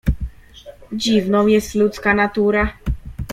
"Dziwną jest ludzka natura."